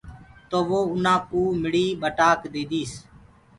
تو وو اُنآ ڪوُ مڙهيٚ ٻٽآڪ ديديس۔